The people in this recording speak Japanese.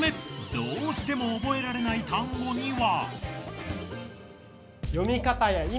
どうしても覚えられない単語には。